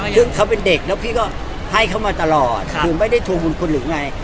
ซึ่งเขาเป็นเด็กแล้วพี่ก็ให้เขามาตลอดคือไม่ได้ทวงบุญคุณหรือไง